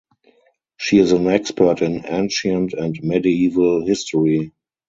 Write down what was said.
She is an expert in ancient and medieval history.